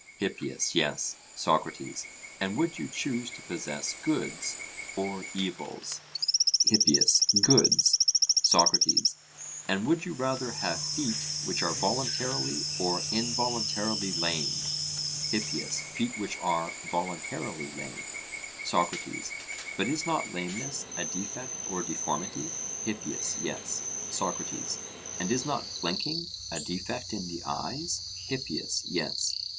HIPPIAS: Yes. SOCRATES: And would you choose to possess goods or evils? HIPPIAS: Goods. SOCRATES: And would you rather have feet which are voluntarily or involuntarily lame? HIPPIAS: Feet which are voluntarily lame. SOCRATES: But is not lameness a defect or deformity? HIPPIAS: Yes. SOCRATES: And is not blinking a defect in the eyes? HIPPIAS: Yes.